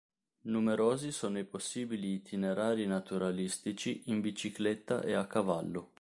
Numerosi sono i possibili itinerari naturalistici in bicicletta e a cavallo.